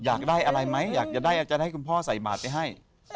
อยากได้อะไรไหมอยากจะได้จะได้คุณพ่อใส่บาทไปให้